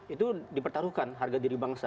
itu dipertaruhkan harga diri bangsa